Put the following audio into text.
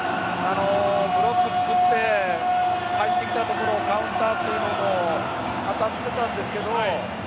ブロック作って入ってきたところをカウンターというのは当たっていたんですけど